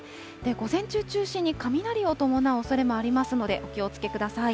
午前中中心に、雷を伴うおそれもありますので、お気をつけください。